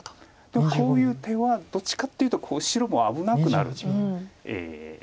でもこういう手はどっちかっていうと白も危なくなる。